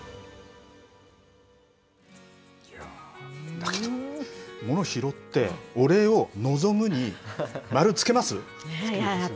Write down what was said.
だけど、ものを拾って、お礼を望むに丸つけます？